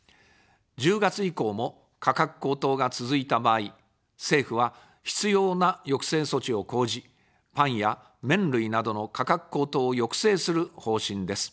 １０月以降も、価格高騰が続いた場合、政府は必要な抑制措置を講じ、パンや麺類などの価格高騰を抑制する方針です。